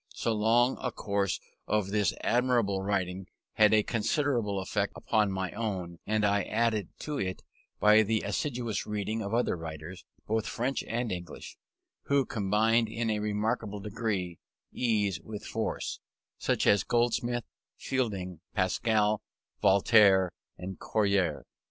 So long a course of this admirable writing had a considerable effect upon my own; and I added to it by the assiduous reading of other writers, both French and English, who combined, in a remarkable degree, ease with force, such as Goldsmith, Fielding, Pascal, Voltaire, and Courier.